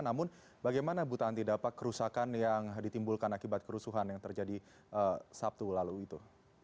namun bagaimana bu tanti dapat kerusakan yang ditimbulkan akibat kerusuhan yang terjadi sabtu lalu itu